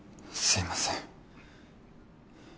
すいません